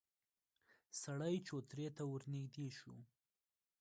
سړی چوترې ته ورنږدې شو.